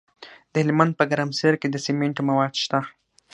د هلمند په ګرمسیر کې د سمنټو مواد شته.